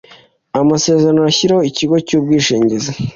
amasezerano ashyiraho ikigo cy ubwishingizi